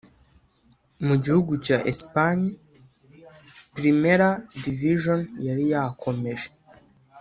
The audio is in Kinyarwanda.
Mu gihugu cya Espagne Primera Division yari yakomeje